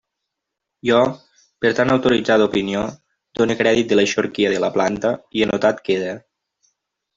Jo, per tan autoritzada opinió, done crèdit de l'eixorquia de la planta, i anotat queda.